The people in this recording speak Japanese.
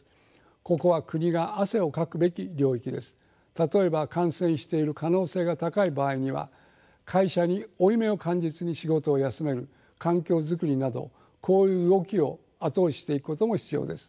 例えば感染している可能性が高い場合には会社に負い目を感じずに仕事を休める環境作りなどこういう動きを後押ししていくことも必要です。